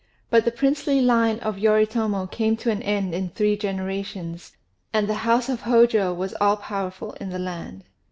But the princely line of Yoritomo came to an end in three generations, and the house of Hôjô was all powerful in the land.